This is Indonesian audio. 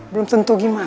belum tentu gimana